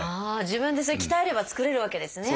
自分でそれ鍛えれば作れるわけですね。